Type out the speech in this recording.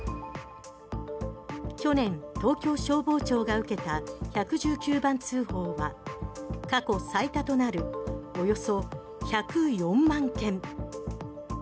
去年、東京消防庁が受けた１１９番通報は過去最多となるおよそ１０４万件。